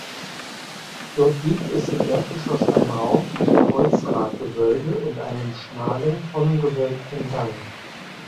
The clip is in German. Dort gibt es im Erdgeschoss einen Raum mit Kreuzgratgewölbe und einen schmalen tonnengewölbten Gang.